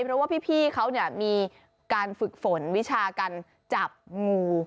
เพราะว่าพี่เขามีการฝึกฝนวิชาการจับงู